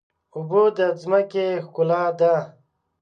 اوبه د ځمکې ښکلا ده.